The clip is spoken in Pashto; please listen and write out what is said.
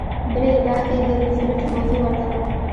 بلې ادعا کې د روزولټ موضوع ورته وه.